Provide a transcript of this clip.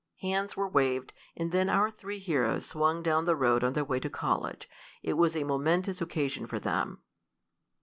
Hands were waved, and then our three heroes swung down the road on their way to college. It was a momentous occasion for them.